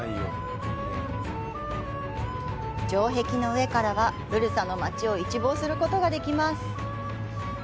城壁の上からは、ブルサの街を一望することができます。